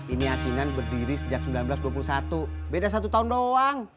ini asinan berdiri sejak seribu sembilan ratus dua puluh satu beda satu tahun doang